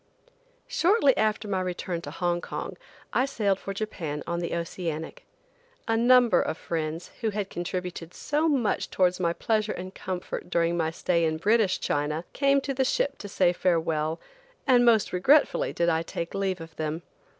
SHORTLY after my return to Hong Kong I sailed for Japan on the Oceanic. A number of friends, who had contributed so much towards my pleasure and comfort during my stay in British China, came to the ship to say farewell, and most regretfully did I take leave of them.